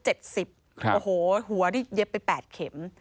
โอ้โหหัวนี่เย็บไป๘เข็ม